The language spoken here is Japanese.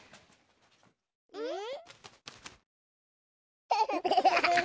うん？